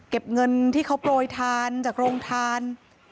เก็บเงินที่เขาโปรยทานจากโรงทาน